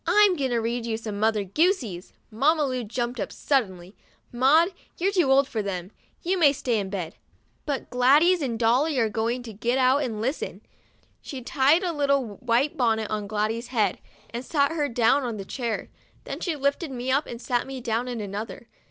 "I'm going to read you some Mother Goosies." Mamma Lu jumped up suddenly, ' Maud, you're too old for them ; you may stay in bed, but Gladys and Dolly are going to get out and listen." She tied a little white bonnet on Gladys' head, and sat her down on a chair. Then she lifted me up, and sat me down in another.